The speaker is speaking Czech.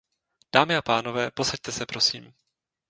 Dámy a pánové, posaďte se, prosím.